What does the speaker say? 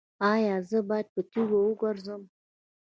ایا زه باید په تیږو وګرځم؟